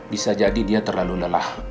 bisa jadi dia terlalu lelah